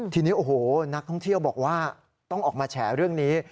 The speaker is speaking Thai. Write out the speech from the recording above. ทีนี้โอ้โหนักท่องเที่ยวบอกว่าต้องออกมาแฉเรื่องนี้